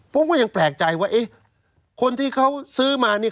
ผมก็ยังแปลกใจว่าเอ๊ะคนที่เขาซื้อมานี่